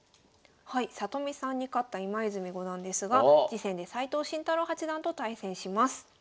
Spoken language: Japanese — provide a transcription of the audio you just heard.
里見さんに勝った今泉五段ですが次戦で斎藤慎太郎八段と対戦します。